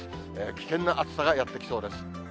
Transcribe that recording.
危険な暑さがやって来そうです。